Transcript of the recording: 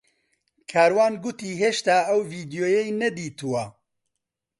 کاروان گوتی هێشتا ئەو ڤیدیۆیەی نەدیتووە.